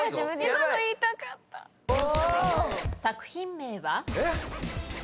作品名は？